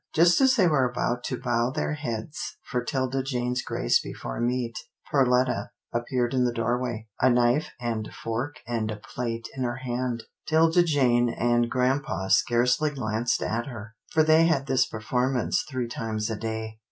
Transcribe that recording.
Just as they were about to bow their heads for 'Tilda Jane's grace before meat, Perletta appeared in the doorway, a knife and fork and a plate in her hand. 'Tilda Jane and grampa scarcely glanced at her, for they had this performance three times a day.